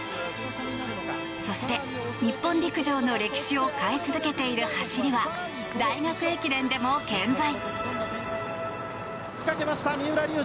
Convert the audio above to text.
そして、日本陸上の歴史を変え続けている走りは大学駅伝でも健在。